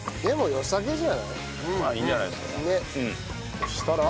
そうしたら。